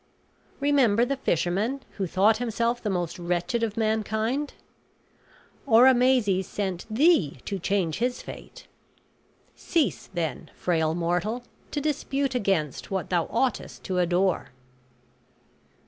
Remember the fisherman who thought himself the most wretched of mankind. Oromazes sent thee to change his fate. Cease, then, frail mortal, to dispute against what thou oughtest to adore."